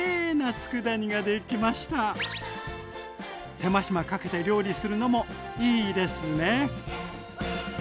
手間暇かけて料理するのもいいですね。